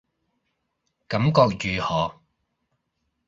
感覺如何